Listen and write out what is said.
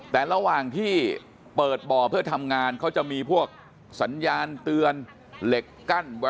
แต่ระหว่างที่เปิดบ่อเพื่อทำงานเขาจะมีพวกสัญญาณเตือนเหล็กกั้นไว้